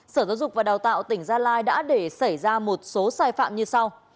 sở giáo dục và đào tạo tỉnh gia lai đã để xảy ra một số sai phạm như sau